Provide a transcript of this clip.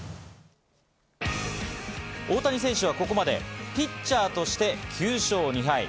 大谷選手はここまでピッチャーとして９勝２敗。